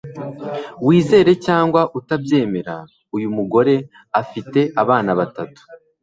Wizere cyangwa utabyemera uyu mugore afite abana batatu